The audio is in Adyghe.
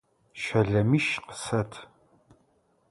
Щэлэмищ къысэт!